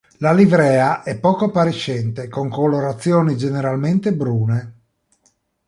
La livrea è poco appariscente, con colorazioni generalmente brune.